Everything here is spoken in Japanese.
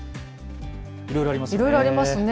いろいろありますね。